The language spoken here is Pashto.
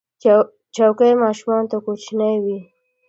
چوکۍ ماشومانو ته کوچنۍ وي.